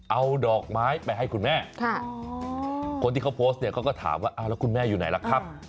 เอาดอกไม้ไปให้คุณแม่คนที่เขาโพสต์เนี่ยเขาก็ถามว่าแล้วคุณแม่อยู่ไหนล่ะครับ